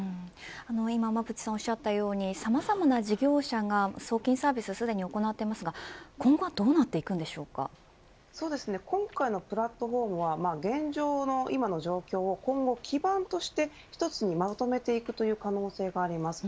今、馬渕さんおっしゃったようにさまざまな事業者が送金サービスをすでに行っていますが今後今回のプラットホームは現状の今の状況を今後、基盤として一つにまとめていくという可能性があります。